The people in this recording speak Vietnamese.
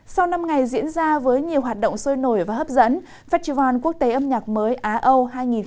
sau năm ngày diễn ra với nhiều hoạt động sôi nổi và hấp dẫn festival quốc tế âm nhạc mới á âu hai nghìn một mươi chín